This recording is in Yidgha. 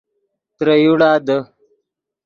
ترے یوڑا دے